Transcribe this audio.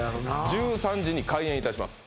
１３時に開演いたします